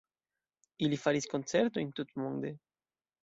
Ili faris koncertojn tutmonde.